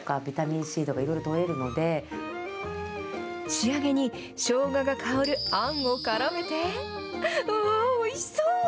仕上げに、しょうがが香るあんをからめて、うーん、おいしそう。